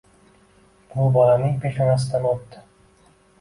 Buvi bolaning peshonasidan oʻpdi